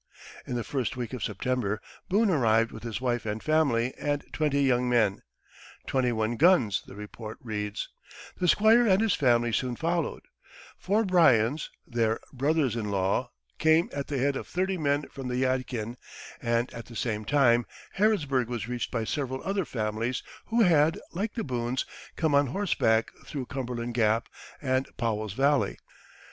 In the first week of September Boone arrived with his wife and family and twenty young men "twenty one guns," the report reads; Squire and his family soon followed; four Bryans, their brothers in law, came at the head of thirty men from the Yadkin; and, at the same time, Harrodsburg was reached by several other families who had, like the Boones, come on horseback through Cumberland Gap and Powell's Valley.